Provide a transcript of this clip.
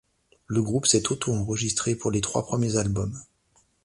Le groupe s'est auto-enregristré pour les trois premiers albums.